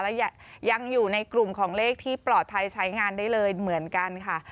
และยังอยู่ในกลุ่มของเลขที่ปลอดภัยใช้งานได้เลยเหมือนกันค่ะ